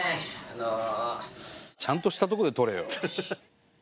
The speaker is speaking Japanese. あの。ちゃんとしたとこで撮れよ。